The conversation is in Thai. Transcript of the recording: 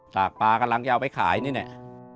ตากปลากำลังจะเอาไปขายนี่แหละ